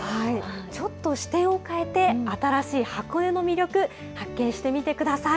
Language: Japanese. ちょっと視点を変えて新しい箱根の魅力、発見してみてください。